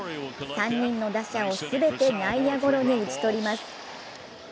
３人の打者を全て内野ゴロに打ち取ります。